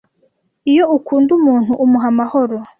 iyo ukunda umuntu umuha amahoro